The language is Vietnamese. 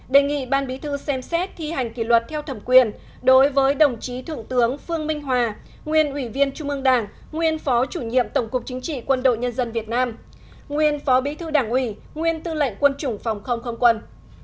đề nghị ban bí thư xem xét thi hành kỷ luật theo thẩm quyền đối với đồng chí thượng tướng phương minh hòa nguyên ủy viên trung ương đảng nguyên phó chủ nhiệm tổng cục chính trị quân đội nhân dân việt nam nguyên phó bí thư đảng ủy nguyên tư lệnh quân chủng phòng không không quân